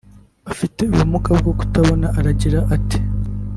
afite ubumuga bwo kutabona aragira ati